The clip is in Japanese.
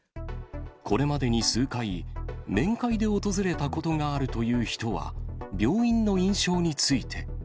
これまでに数回、面会で訪れたことがあるという人は、病院の印象について。